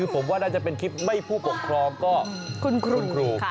ผมว่าน่าจะเป็นคลิปไม่ผู้ปกครองก็คุณครู